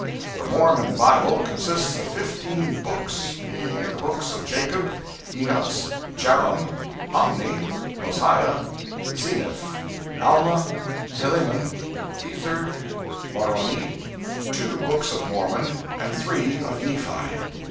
The Mormon Bible consists of fifteen "books"—being the books of Jacob, Enos, Jarom, Omni, Mosiah, Zeniff, Alma, Helaman, Ether, Moroni, two "books" of Mormon, and three of Nephi.